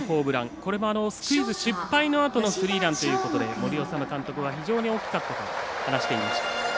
これもスクイズ失敗のあとのスリーランということで森士監督は非常に大きかったと話していました。